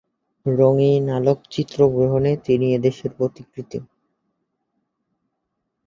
রঙিন আলোকচিত্র গ্রহণে তিনি এদেশে পথিকৃৎ।